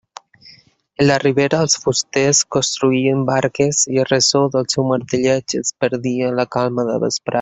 En la ribera els fusters construïen barques, i el ressò del seu martelleig es perdia en la calma de la vesprada.